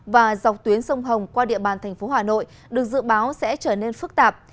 và dọc tuyến sông hồng qua địa bàn tp hà nội được dự báo sẽ trở nên phức tạp